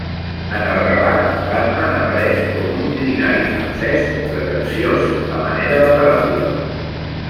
En el relat, Batman apareix com un milionari francès pretensiós a manera de paròdia.